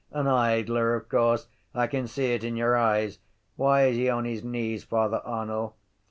An idler of course. I can see it in your eye. Why is he on his knees, Father Arnall?